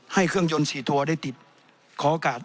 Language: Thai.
เครื่องยนต์๔ตัวได้ติดขอโอกาส